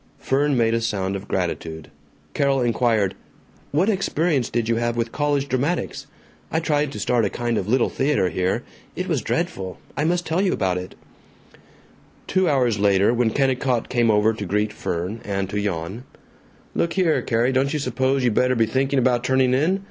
Fern made a sound of gratitude. Carol inquired, "What experience did you have with college dramatics? I tried to start a kind of Little Theater here. It was dreadful. I must tell you about it " Two hours later, when Kennicott came over to greet Fern and to yawn, "Look here, Carrie, don't you suppose you better be thinking about turning in?